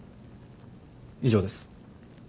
以上です。